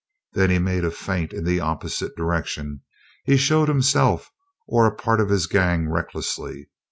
Then he made a feint in the opposite direction he showed himself or a part of his gang recklessly.